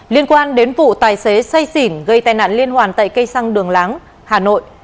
liên quan đến vụ tài xế say xỉn gây tai nạn liên hoàn tại cây xăng đường láng hà nội